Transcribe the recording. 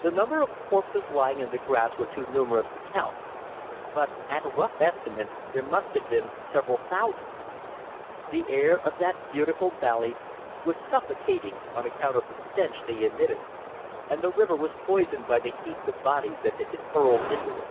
The number of corpses lying in the grass were too numerous to count, but at a rough estimate there must have been several thousands. The air of that beautiful valley was suffocating on account of the stench they emitted, and the river was poisoned by the heaps of bodies that had been hurled into it.